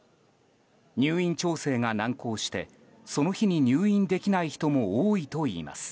入院調整が難航してその日に入院できない人も多いといいます。